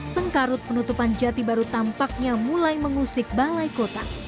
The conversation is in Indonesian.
sengkarut penutupan jati baru tampaknya mulai mengusik balai kota